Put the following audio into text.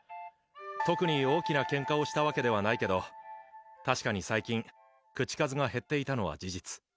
特に大きなケンカをしたわけではないけど、確かに最近、口数が減っていたのは事実。